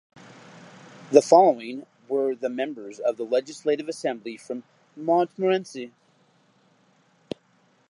The following were the members of the Legislative Assembly from Montmorency.